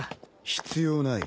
必要ない。